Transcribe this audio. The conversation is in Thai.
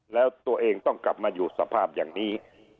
แล้วตัวเองต้องกลับมาอยู่สภาพอย่างนี้